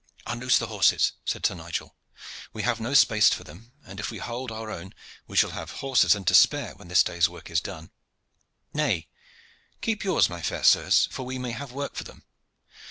"Unloose the horses!" said Sir Nigel. "We have no space for them, and if we hold our own we shall have horses and to spare when this day's work is done. Nay, keep yours, my fair sirs, for we may have work for them.